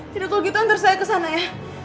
jadi kalau gitu antar saya ke sana ya